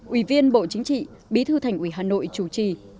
ủy viên bộ chính trị bí thư thành ủy hà nội chủ trì